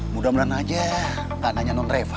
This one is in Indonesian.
mudah mudahan aja gak nanya non reva